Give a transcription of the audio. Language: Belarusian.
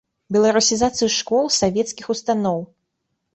Беларусізацыя школ, савецкіх устаноў.